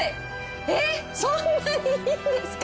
えっそんなにいいんですか？